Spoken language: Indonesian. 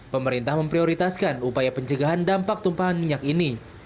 pemerintah memprioritaskan upaya pencegahan dampak tumpahan minyak ini